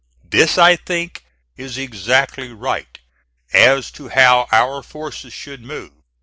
This, I think, is exactly right, as to how our forces should move.